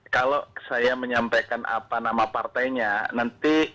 kalau saya menyampaikan apa nama partainya nanti